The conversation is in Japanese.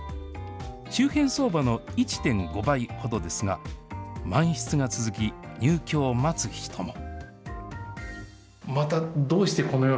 周辺相場の１．５倍ほどですが、満室が続き、入居を待つ人も。